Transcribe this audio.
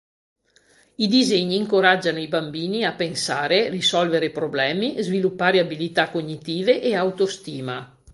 I disegni incoraggiano i bambini a pensare, risolvere problemi, sviluppare abilità cognitive e autostima.